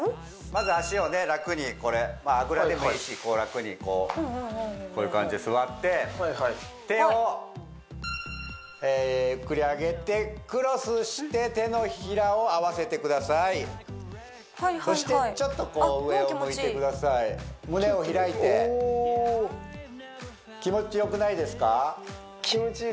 まず脚を楽にこれあぐらでもいいし楽にこういう感じで座って手をゆっくり上げてクロスして手のひらを合わせてくださいそしてちょっとこう上を向いてください胸を開いてちょっとお気持ちよくないですか？